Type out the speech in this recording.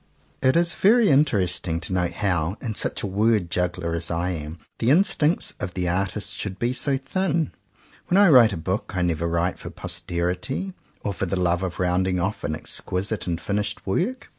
It is very interesting to note how, in such a word juggler as I am, the instincts of the artist should be so thin. When I write a book, I never write for posterity, or for the love of rounding off an exquisite and finished work.